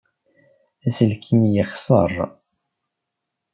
Aselkim yexseṛ.